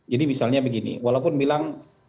jadi misalnya begini walaupun bilang